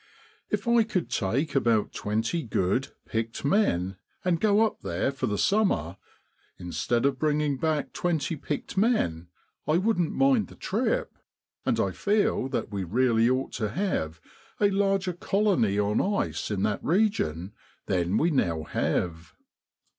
If I could take about twenty good, picked men, and go up there for the summer, instead of bringing back twenty picked men, I wouldn't mind the trip, and I feel that we really ought to have a larger colony on ice in that region than we now have.